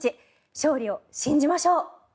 勝利を信じましょう。